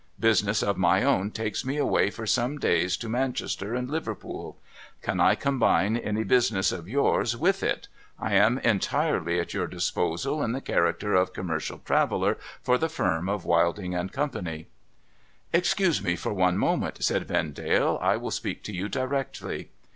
Business of my own takes me aw^ay for some days to Man chester and Liverpool. Can I combine any business of yours with 532 NO THOROUGHFARE it ? I am entirely at your disposal, in the character of commercial traveller for the firm of AVilding and Co.' ' Excuse me for one moment,' said Vendale ;' I will speak to you directly.'